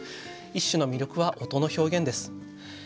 一首の魅力は音の表現です。